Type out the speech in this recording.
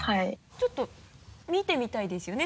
ちょっと見てみたいですよね？